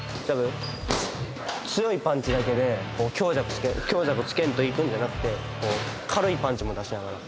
強いパンチだけで強弱つけんと強弱をつけんといくんじゃなくて軽いパンチも出しながら。